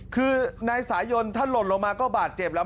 คือนายสายนถ้าหล่นลงมาก็บาดเจ็บแล้ว